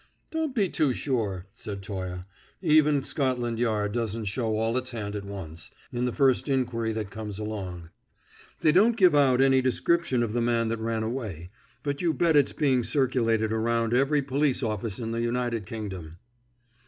"Don't be too sure," said Toye. "Even Scotland Yard doesn't show all its hand at once, in the first inquiry that comes along. They don't give out any description of the man that ran away, but you bet it's being circulated around every police office in the United Kingdom."